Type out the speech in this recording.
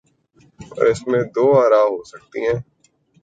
اوراس میں دو آرا ہو سکتی ہیں۔